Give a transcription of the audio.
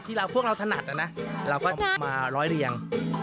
พวกเราถนัดนะเราก็มาร้อยเรียง